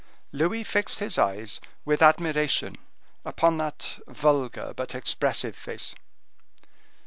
Louis fixed his eyes with admiration upon that vulgar but expressive face.